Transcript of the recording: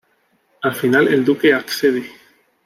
Al final el duque accede.